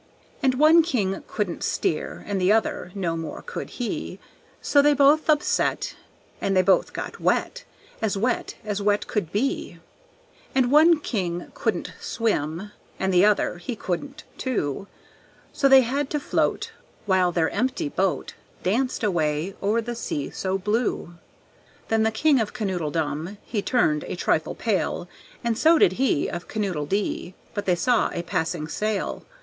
And one king couldn't steer, And the other, no more could he; So they both upset And they both got wet, As wet as wet could be. And one king couldn't swim And the other, he couldn't, too; So they had to float, While their empty boat Danced away o'er the sea so blue. Then the King of Kanoodledum He turned a trifle pale, And so did he Of Kanoodledee, But they saw a passing sail!